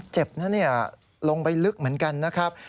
เจ็บนะเนี่ยลงไปลึกเหมือนกันนะครับ